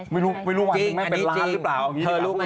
ไม่รู้วันนึงเป็นร้านหรือเปล่า